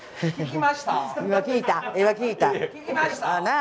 聞きました？